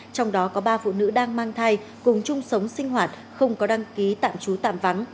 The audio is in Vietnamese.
trong đó có ba phụ nữ đang mang thai cùng chung sống sinh hoạt không có đăng ký tạm trú tạm vắng